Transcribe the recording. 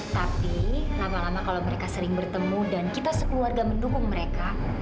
tapi lama lama kalau mereka sering bertemu dan kita sekeluarga mendukung mereka